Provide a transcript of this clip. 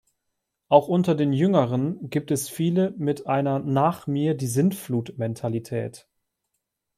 Auch unter den Jüngeren gibt es viele mit einer Nach-mir-die-Sintflut-Mentalität.